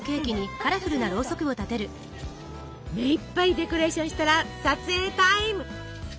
目いっぱいデコレーションしたら撮影タイム！